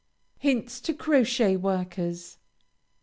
HINTS TO CROCHET WORKERS.